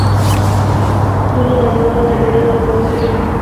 ټولو غریبانو ته ډوډۍ ورکول کېدله.